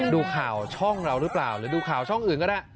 ดูข่าวช่องเราหรือเปล่าหรือดูข่าวช่องอื่นก็ได้